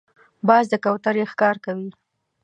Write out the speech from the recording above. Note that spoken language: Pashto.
باز د کوترې ښکار کوي